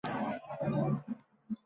Barcha-barchasin oʼldir.